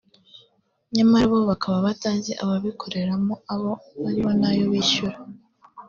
nyamara bo bakaba batazi ababikoreramo abo aribo n’ayo bishyura